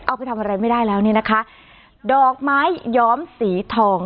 เอาไปทำอะไรไม่ได้แล้วเนี่ยนะคะดอกไม้ย้อมสีทอง